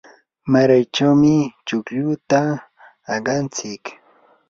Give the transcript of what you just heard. maraychawmi chukluta aqantsik.